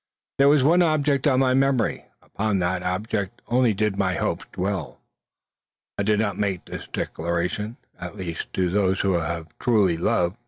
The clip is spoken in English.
There was one object on my memory: upon that object only did my hopes dwell. I need not make this declaration; at least to those who have truly loved.